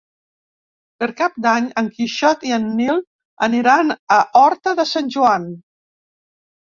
Per Cap d'Any en Quixot i en Nil aniran a Horta de Sant Joan.